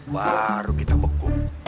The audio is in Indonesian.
baru kita bekuk